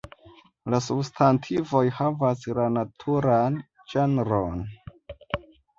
La substantivoj havas la naturan ĝenron.